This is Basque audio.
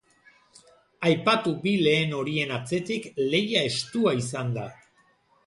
Aipatu bi lehen horien atzetik lehia estua izan da.